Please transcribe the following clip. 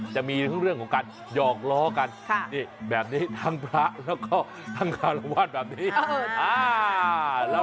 จะมีทั้งเรื่องของการหยอกล้อกันแบบนี้ทั้งพระแล้วก็ทั้งคารวาสแบบนี้